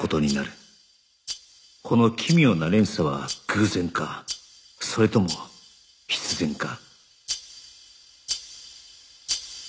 この奇妙な連鎖は偶然かそれとも必然か